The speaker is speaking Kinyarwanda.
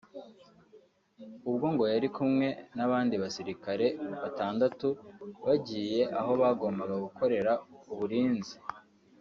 ubwo ngo yari kumwe n’abandi basirikare batandatu bagiye aho bagombaga gukorera uburinzi